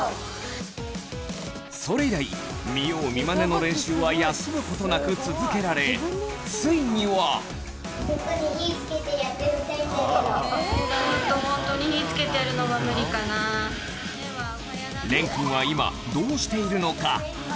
それ以来見よう見まねの練習は休むことなく続けられついにはどうしているのか？